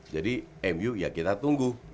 jadi cmu ya kita tunggu